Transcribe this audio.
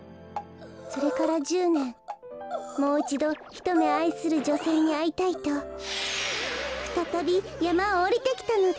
それから１０ねんもういちどひとめあいするじょせいにあいたいとふたたびやまをおりてきたのです。